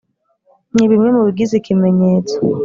ni bimwe mu bigize ‘ikimenyetso’